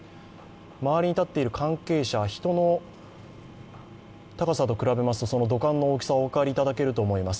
周りに立っている関係者、人の高さと比べますと土管の大きさ、お分かりいただけると思います。